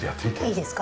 いいですか？